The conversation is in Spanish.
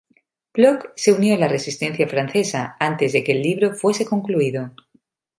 Bloch se unió a la Resistencia francesa, antes de que el libro fuese concluido.